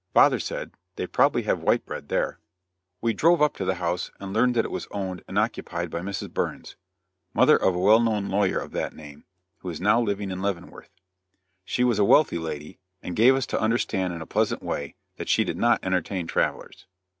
Father said: "They probably have white bread there." We drove up to the house and learned that it was owned and occupied by Mrs. Burns; mother of a well known lawyer of that name, who is now living in Leavenworth. She was a wealthy lady, and gave us to understand in a pleasant way, that she did not entertain travelers.